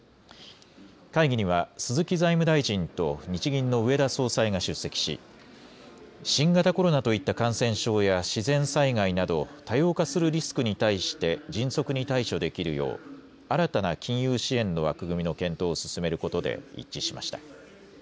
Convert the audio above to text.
会議には鈴木財務大臣と日銀の植田総裁が出席し新型コロナといった感染症や自然災害など多様化するリスクに対して迅速に対処できるよう新たな金融支援の枠組みの検討を進めることで一致しました。